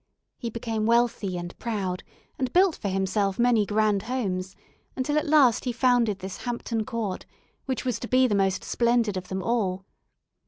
He became wealthy and proud, and built for himself many grand homes, until at last he founded this Hampton Court, which was to be the most splendid of them all.